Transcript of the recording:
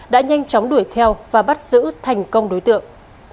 đã nhanh chóng đuổi theo và bắt giữ thành công đối tượng